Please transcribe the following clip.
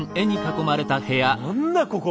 何だここ！